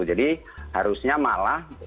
jadi harusnya malah konsentrasi